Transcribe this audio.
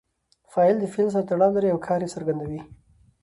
فاعل د فعل سره تړاو لري او کار ئې څرګندوي.